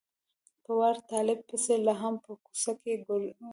په واړه طالب پسې لا هم په کوڅه کې کوړنجېده.